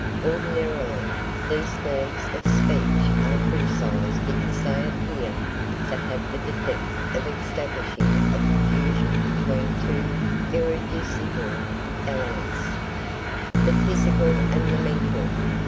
Ordinarily these forms of speech are criticised because they appear to have the defect of establishing a confusion between two irreducible elements, the physical and the mental.